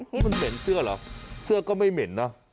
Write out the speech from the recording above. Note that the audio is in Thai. มันเหม็นเสื้อเหรอเสื้อก็ไม่เหม็นนะ